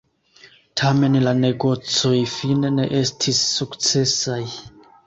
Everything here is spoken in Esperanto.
Tamen la negocoj fine ne estis sukcesaj.